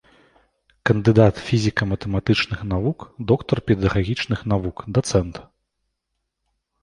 Кандыдат фізіка-матэматычных навук, доктар педагагічных навук, дацэнт.